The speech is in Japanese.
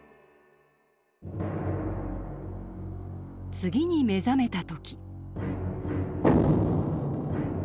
次に目覚めた時。